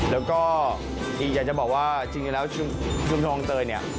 และก็อยากจะบอกว่าจริงแล้วชุมชนคล่องเตย